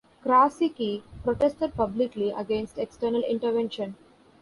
Krasicki protested publicly against external intervention.